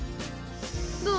どう？